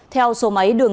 theo số máy được